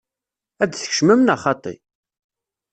Ad tkecmem neɣ xaṭi?